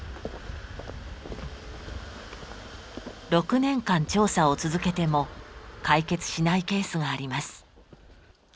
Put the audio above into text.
６年間調査を続けても解決しないケースがあります。